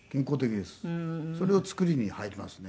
それを作りに入りますね。